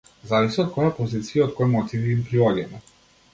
Зависи од која позиција и од кои мотиви им приоѓаме.